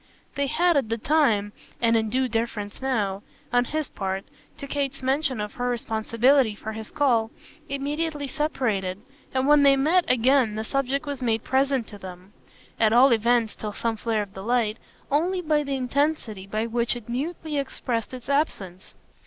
They had at the time, and in due deference now, on his part, to Kate's mention of her responsibility for his call, immediately separated, and when they met again the subject was made present to them at all events till some flare of new light only by the intensity with which it mutely expressed its absence.